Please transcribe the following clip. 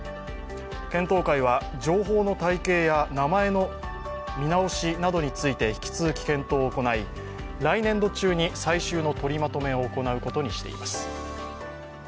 検討会は、情報の体系や名前の見直しなどについて引き続き検討を行い来年度中に最終の取りまとめを行うことにしています。